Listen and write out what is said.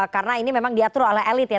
karena ini memang diatur oleh elit ya